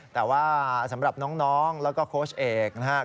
แต่ว่าสำหรับน้องแล้วก็โค้ชเอกนะครับ